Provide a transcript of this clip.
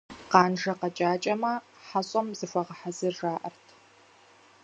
Къанжэ къэкӀакӀэмэ, хьэщӀэм зыхуэгъэхьэзыр, жаӀэрт.